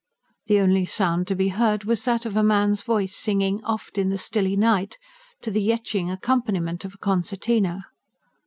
The only sound to be heard was that of a man's voice singing OFT IN THE STILLY NIGHT, to the yetching accompaniment of a concertina.